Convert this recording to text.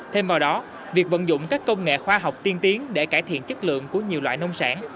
thêm vào đó việc vận dụng các công nghệ khoa học tiên tiến để cải thiện chất lượng của nhiều loại nông sản